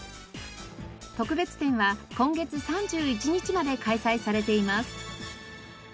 特別展は今月３１日まで開催されています。